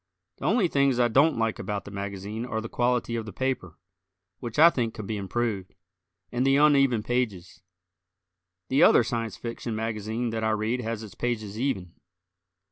The only things I don't like about the magazine are the quality of the paper, which I think could be improved, and the uneven pages. The other Science Fiction magazine that I read has its pages even.